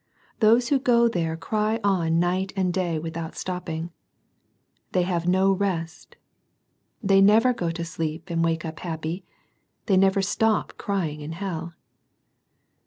Those who go there cry on night and day without stop ping. They have no rest. They never go to sleep and wake up happy. They never stop crying in hell.